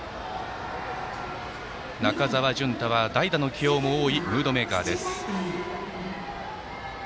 中澤惇太は代打の起用も多いムードメーカーです。